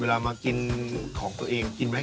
มากินของตัวเองกินไหม